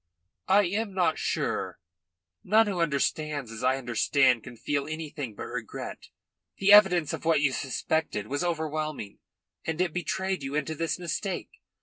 "I am not sure. None who understands as I understand can feel anything but regret. Oh, I don't know. The evidence of what you suspected was overwhelming, and it betrayed you into this mistake.